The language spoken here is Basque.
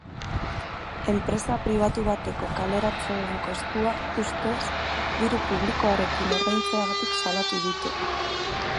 Enpresa pribatu bateko kaleratzeen kostua ustez diru publikoarekin ordaintzeagatik salatu dute.